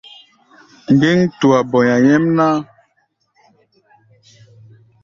Ŋgéŋ tua bɔ̧i̧a̧ nyɛ́mná.